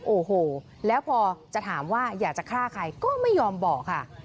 โอ้โหแล้วพอจะถามว่าอยากจะฆ่าใครก็ไม่ยอมบอกค่ะ